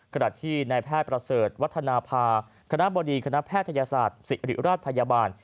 ขณะที่นายแพทย์ประเสริฐวัฒนภาคณะบดีคณะแพทยศาสตร์ศิริราชพยาบาล